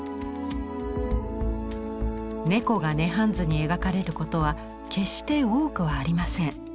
猫が「涅槃図」に描かれることは決して多くありません。